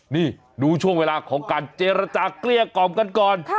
นี่ดูช่วงเวลาของการเจรจาเกลี้ยกล่อมกันก่อน